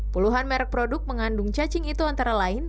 puluhan merek produk mengandung cacing itu antara lain